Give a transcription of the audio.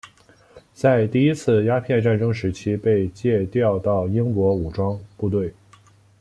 在第一次鸦片战争时期被借调到英国武装部队。